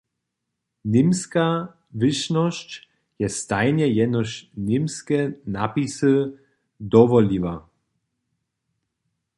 Němska wyšnosć je stajnje jenož němske napisy dowoliła.